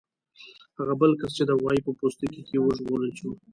هغه بل کس چې د غوايي په پوستکي کې و وژغورل شو.